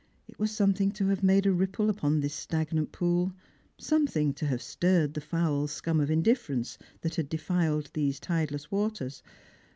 It was something to have made a ripple upon this stagnant pool ; something to have stirred the foul scum of indifference that had defiled these tideless waters.